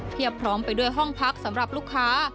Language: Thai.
พร้อมไปด้วยห้องพักสำหรับลูกค้า